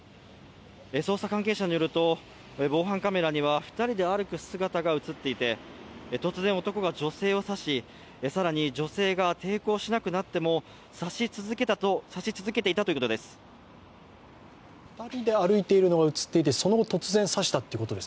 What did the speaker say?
捜査関係者によると、防犯カメラには２人で歩く姿が映っていて、突然男が女性を刺し更に女性が抵抗しなくなっても刺し続けていたということです。